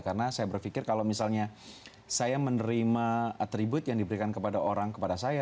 karena saya berpikir kalau misalnya saya menerima atribut yang diberikan kepada orang kepada saya